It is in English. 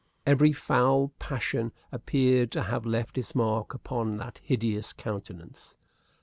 Every foul passion appeared to have left its mark upon that hideous countenance.